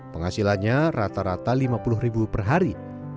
penghasilannya rata rata lima puluh ribu per hari